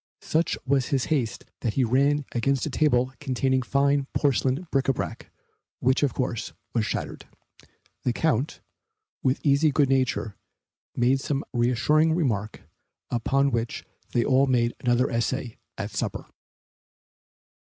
Such was his haste that he ran against a table containing fine porcelain bric a brac, which, of course, was shattered. The Count, with easy good nature, made some reassuring remark, upon which they all made another essay at the supper.